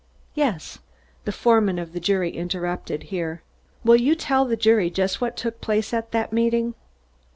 "Yes." The foreman of the jury interrupted here. "Will you tell the jury just what took place at that meeting?"